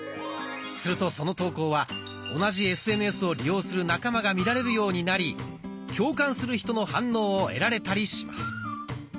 するとその投稿は同じＳＮＳを利用する仲間が見られるようになり共感する人の反応を得られたりします。